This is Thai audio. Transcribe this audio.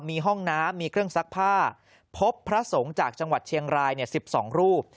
มีห้องน้ำมีเครื่องซักผ้าพบพระสงฆ์จากจังหวัดเชียงราย๑๒รูป